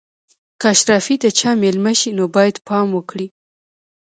که اشرافي د چا مېلمه شي نو باید پام وکړي.